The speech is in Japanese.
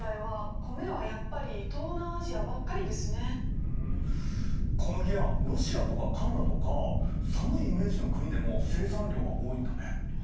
うん小麦はロシアとかカナダとか寒いイメージの国でも生産量は多いんだね。